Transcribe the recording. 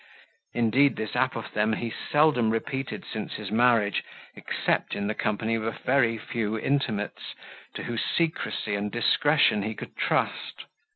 Indeed, this apophthegm he seldom repeated since his marriage, except in the company of a very few intimates, to whose secrecy and discretion he could trust.